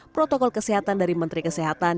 protokol kesehatan dari menteri kesehatan